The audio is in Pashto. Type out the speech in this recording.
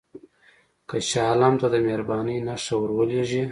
که شاه عالم ته د مهربانۍ نښه ورولېږې.